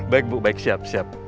baik bu baik siap siap